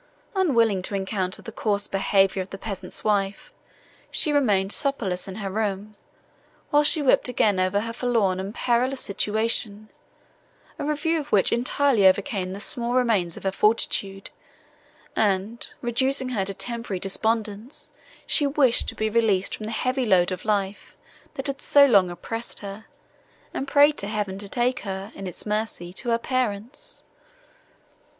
Unwilling to encounter the coarse behaviour of the peasant's wife, she remained supperless in her room, while she wept again over her forlorn and perilous situation, a review of which entirely overcame the small remains of her fortitude, and, reducing her to temporary despondence, she wished to be released from the heavy load of life, that had so long oppressed her, and prayed to Heaven to take her, in its mercy, to her parents.